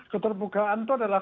keterbukaan itu adalah